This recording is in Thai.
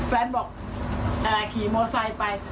แฟนบอกขี่มอไซค์ไป